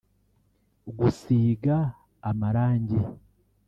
gusiga amarangi